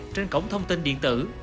trên cổng thông tin điện tử